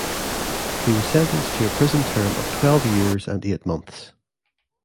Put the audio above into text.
He was sentenced to a prison term of twelve years and eight months.